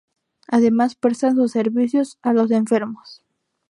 Además prestan sus servicios a los enfermos.